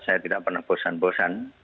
saya tidak pernah bosan bosan